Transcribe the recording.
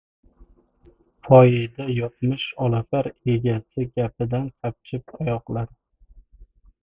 Poyida yotmish Olapar egasi gapidan sapchib oyoqladi.